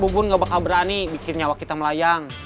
bos ubon gak bakal berani bikin nyawa kita melayang